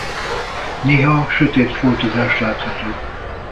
Néha sötét foltozás látható.